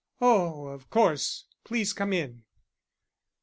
"Oh, of course. Please come in."